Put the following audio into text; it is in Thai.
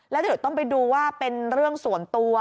แล้วเดี๋ยวต้องไปดูว่าเป็นเรื่องส่วนตัว